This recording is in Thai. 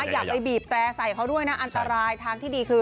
อย่าไปบีบแตร่ใส่เขาด้วยนะอันตรายทางที่ดีคือ